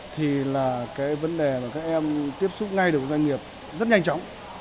thì là cái vấn đề mà các em tiếp xúc ngay được doanh nghiệp rất nhanh chóng